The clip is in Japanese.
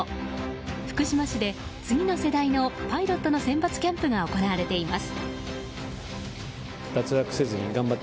福島市で次の世代のパイロットの選抜キャンプが行われています。